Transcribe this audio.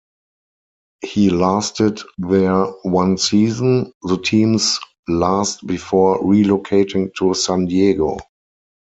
He lasted there one season, the team's last before relocating to San Diego.